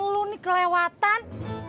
lu nih kelewatan